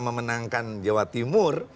memenangkan jawa timur